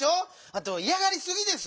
あといやがりすぎです！